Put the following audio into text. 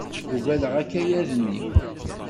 Uggadeɣ akayad-nni.